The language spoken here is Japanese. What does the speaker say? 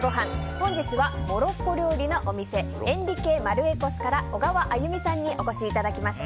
本日はモロッコ料理のお店エンリケマルエコスから小川歩美さんにお越しいただきました。